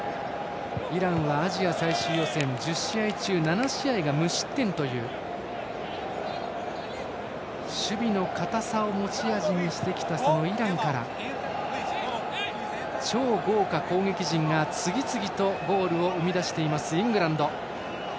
イランはアジア最終予選１０試合中７試合が無失点という守備の堅さを持ち味にしてきたそのイランから超豪華攻撃陣が次々とゴールを生み出しているイングランド。